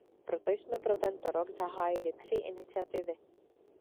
Proto jsme pro tento rok zahájili tři iniciativy.